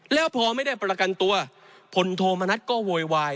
แล้วพอไม่ได้ประกันตัวพลโทมณัฐก็โวยวาย